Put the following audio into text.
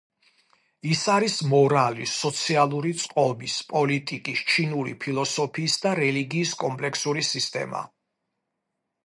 ის არის მორალის, სოციალური წყობის, პოლიტიკის, ჩინური ფილოსოფიის და რელიგიის კომპლექსური სისტემა.